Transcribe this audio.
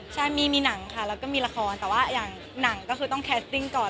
ใช่มีหนังค่ะแล้วก็มีละครแต่ว่าอย่างหนังก็คือต้องแคสติ้งก่อน